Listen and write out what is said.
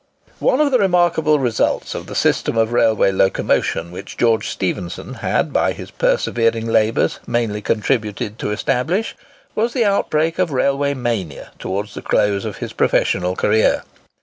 One of the remarkable results of the system of railway locomotion which George Stephenson had by his persevering labours mainly contributed to establish, was the outbreak of the railway mania towards the close of his professional career.